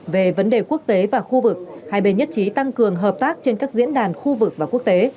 về vấn đề quốc tế và khu vực hai bên nhất trí tăng cường hợp tác trên các diễn đàn khu vực và quốc tế